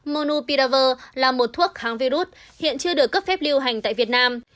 monopiravir là một thuốc kháng virus hiện chưa được cấp phép lưu hành tại việt nam